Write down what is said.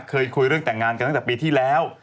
เคยคุยเรื่องแต่งงานกันตั้งแต่ปีที่แล้ว